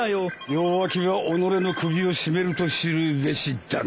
弱気が己の首を絞めると知るべしだな。